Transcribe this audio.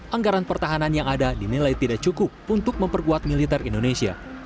anggaran pertahanan yang ada dinilai tidak cukup untuk memperkuat militer indonesia